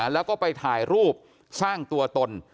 แล้วก็ไปถ่ายรูปสร้างตัวตน